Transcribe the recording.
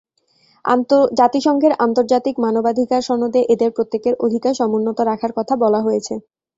জাতিসংঘের আন্তর্জাতিক মানবাধিকার সনদে এদের প্রত্যেকের অধিকার সমুন্নত রাখার কথা বলা হয়েছে।